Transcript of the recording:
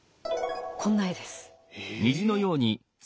こんな絵です。